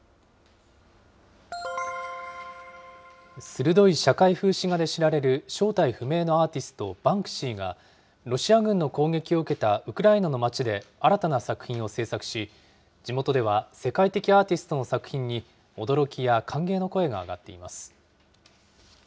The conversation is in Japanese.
鋭い社会風刺画で知られる正体不明のアーティスト、バンクシーが、ロシア軍の攻撃を受けたウクライナの町で新たな作品を制作し、地元では世界的アーティストの作品に、驚きや歓迎の声が上がっています。